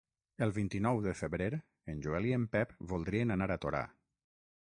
El vint-i-nou de febrer en Joel i en Pep voldrien anar a Torà.